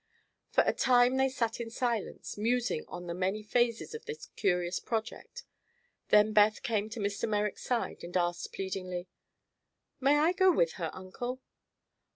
For a time they sat in silence, musing on the many phases of this curious project; then Beth came to Mr. Merrick's side and asked pleadingly: "May I go with her, Uncle?"